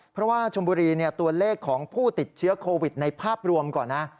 เพราะว่าชมบุรีตัวเลขของผู้ติดเชื้อโควิดในภาพรวมก่อนนะ